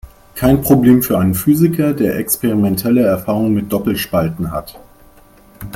Kein Problem für einen Physiker, der experimentelle Erfahrung mit Doppelspalten hat.